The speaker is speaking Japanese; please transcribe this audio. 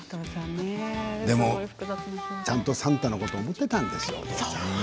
でも、ちゃんと算太のことを思っていたんですよ。